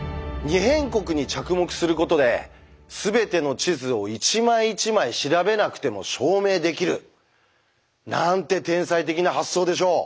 「二辺国」に着目することで全ての地図を一枚一枚調べなくても証明できるなんて天才的な発想でしょう。